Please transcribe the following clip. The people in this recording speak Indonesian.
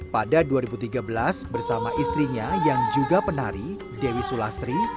pada dua ribu tiga belas bersama istrinya yang juga penari dewi sulastri